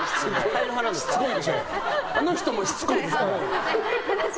あの人もしつこいでしょ。